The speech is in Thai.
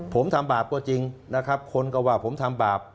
ผมทำบาปก็จริงนะครับคนก็ว่าผมทำบาป